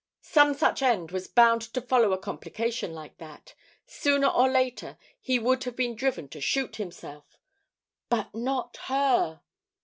Some such end was bound to follow a complication like that. Sooner or later he would have been driven to shoot himself " "But not her."